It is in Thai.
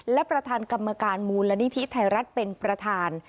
และประธานกรรมการมูลนิธิไทยรัฐเป็นประธาน